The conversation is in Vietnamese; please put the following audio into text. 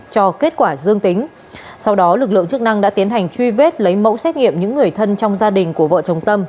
cho kết quả dương tính sau đó lực lượng chức năng đã tiến hành truy vết lấy mẫu xét nghiệm những người thân trong gia đình của vợ chồng tâm